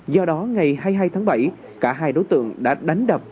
do đó ngày hai mươi hai tháng bảy cả hai đối tượng đã đánh đập